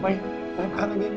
hmm enak mah